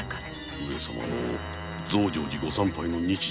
上様の増上寺ご参拝の日も近い。